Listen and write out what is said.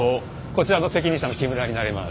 こちらの責任者の木村になります。